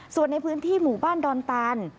ส่วนในพื้นที่หมู่บ้านดอนตาน